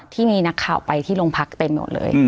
ที่มีนักข่าวไปที่โรงพักเต็มหมดเลย